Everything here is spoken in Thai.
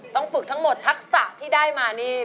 ต้องฝึกทั้งหมดทักษะที่ได้มานี่